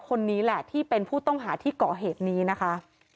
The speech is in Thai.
คนนี้แหละที่เป็นผู้ต้องหาที่ก่อเหตุนี้นะคะ